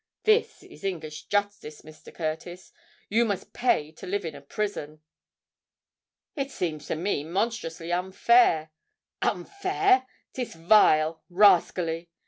This is English justice, Mr. Curtis! You must pay to live in a prison!" "It seems to me monstrously unfair——" "Unfair! 'tis vile—rascally!"